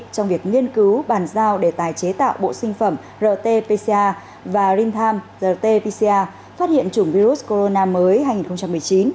trong việc nghiên cứu bàn giao để tài chế tạo bộ sinh phẩm rt pca và rintam rt pca phát hiện chủng virus corona mới hai nghìn một mươi chín